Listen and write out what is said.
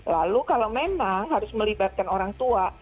lalu kalau memang harus melibatkan orang tua